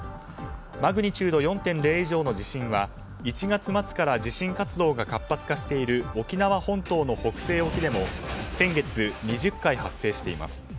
マグニチュード４．０以上の地震は１月末から地震活動が活発化している沖縄本島の北西沖でも先月２０回発生しています。